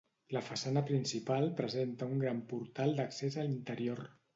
La façana principal presenta un gran portal d'accés a l'interior.